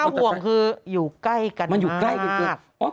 หน้าห่วงคืออยู่ใกล้กันมาก